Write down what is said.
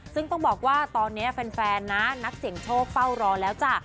ซึ่งต้องบอกว่าตอนนี้แฟนนะนักเสี่ยงโชคเฝ้ารอแล้วจ้ะ